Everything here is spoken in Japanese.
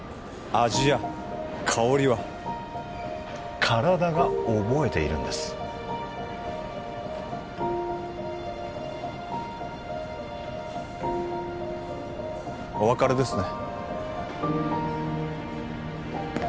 味や香りは体が覚えているんですお別れですね